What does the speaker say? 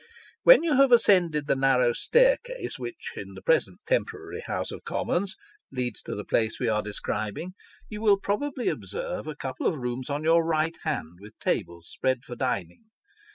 When you have ascended the narrow staircase which, in the present temporary House of Commons, leads to the place we are describing, you will probably observe a couple of rooms on your right hand, with tables spread for dining.